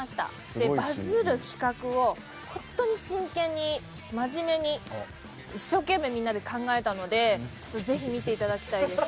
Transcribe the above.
でバズる企画を本当に真剣に真面目に一生懸命みんなで考えたのでちょっとぜひ見ていただきたいです。